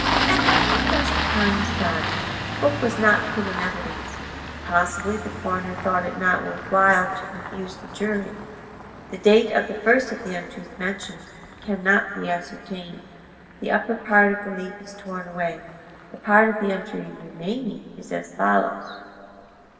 At the inquest upon his body the book was not put in evidence; possibly the coroner thought it not worth while to confuse the jury. The date of the first of the entries mentioned can not be ascertained; the upper part of the leaf is torn away; the part of the entry remaining is as follows